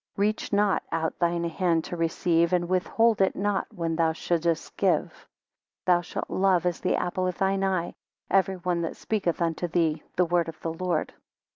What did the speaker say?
Reach not out thine hand to receive, and withhold it not when thou shouldest give. 18 Thou shalt love, as the apple of thine eye, everyone that speaketh unto thee the Word of the Lord.